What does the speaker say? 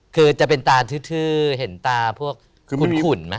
คือจะเป็นตาทื้อเห็นตาพวกขุ่นไหม